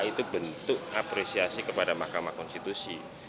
itu bentuk apresiasi kepada mahkamah konstitusi